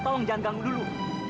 tolong jangan ganggu dulu